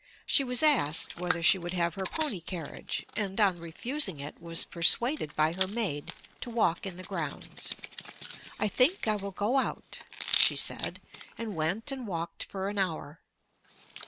She was asked whether she would have her pony carriage, and, on refusing it, was persuaded by her maid to walk in the grounds. "I think I will go out," she said, and went and walked for an hour.